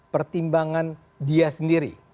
pertimbangan dia sendiri